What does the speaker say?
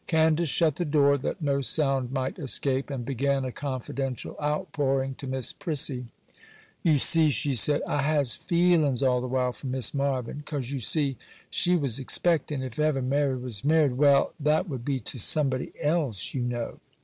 Candace shut the door that no sound might escape, and began a confidential outpouring to Miss Prissy. 'You see,' she said, 'I has feelin's all the while for Miss Marvyn; 'cause, yer see, she was expectin', if ever Mary was married—well—that it would be to somebody else, you know.